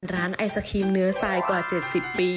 ไอศครีมเนื้อทรายกว่า๗๐ปี